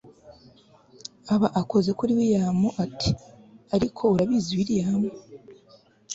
aba akoze kuri william ati ariko urabizi william